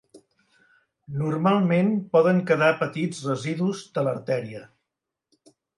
Normalment poden quedar petits residus de l'artèria.